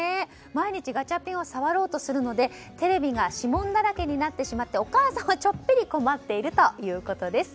毎日、ガチャピンを触ろうとするのでテレビが指紋だらけになってしまってお母さんはちょっぴり困っているということです。